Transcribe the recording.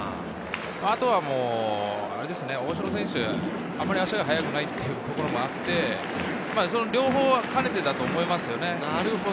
あとは大城選手、あまり足が速くないということもあって、両方を兼ねていたと思います。